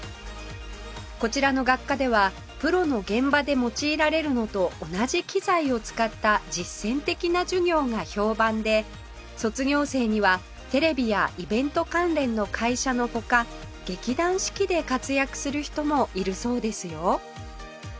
こちらの学科ではプロの現場で用いられるのと同じ機材を使った実践的な授業が評判で卒業生にはテレビやイベント関連の会社の他劇団四季で活躍する人もいるそうですよ